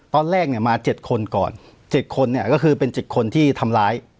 ตอนแรกเนี้ยมาเจ็ดคนก่อนเจ็ดคนเนี้ยก็คือเป็นเจ็ดคนที่ทำล้าย